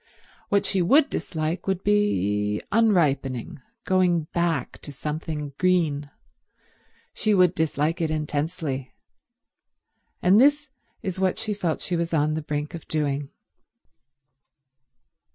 What she would dislike would be unripening, going back to something green. She would dislike it intensely; and this is what she felt she was on the brink of doing.